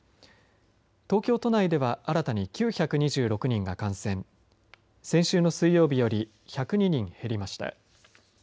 東京都内では新たに９２６人が感染先週の水曜日より１０２人減りました。